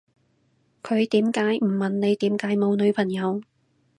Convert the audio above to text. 佢點解唔問你點解冇女朋友